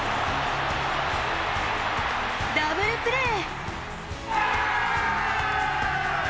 ダブルプレー。